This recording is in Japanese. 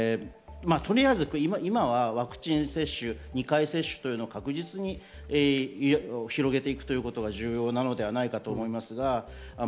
今はワクチン接種、２回接種を確実に広げていくということが重要なのではないかと思います。